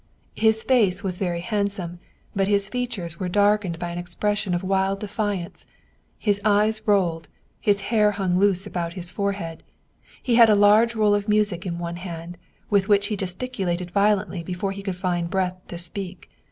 His face was very handsome, but his features were darkened by an expression of wild defiance; his eyes rolled, his hair hung loose around his forehead. He had a large roll of music in one hand, with which he gesticulated violently before he could find breath to speak.